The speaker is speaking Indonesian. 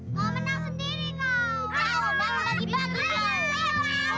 mau menang sendiri kau